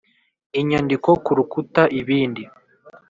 inyandiko ku rukuta ibindi